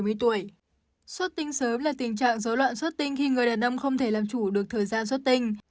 xuất tinh sớm là tình trạng dối loạn xuất tinh khi người đàn ông không thể làm chủ được thời gian xuất tinh